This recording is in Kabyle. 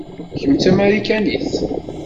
Kemm d tamarikanit?